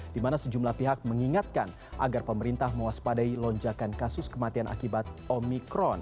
di mana sejumlah pihak mengingatkan agar pemerintah mewaspadai lonjakan kasus kematian akibat omikron